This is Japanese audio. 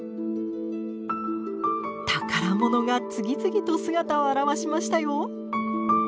宝物が次々と姿を現しましたよ！